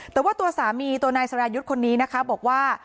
แต่ว่าตัวสามีตัวนายสรายุทธ์คนนี้นะคะบอกว่า